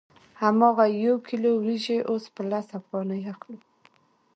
هماغه یو کیلو وریجې اوس په لس افغانۍ اخلو